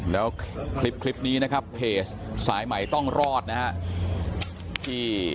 แล้วคลิปนี้นะครับเพจสายใหม่ต้องรอดนะฮะ